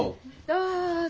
どうぞ。